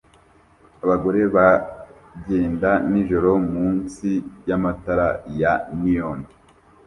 Abagore bagenda nijoro munsi yamatara ya neon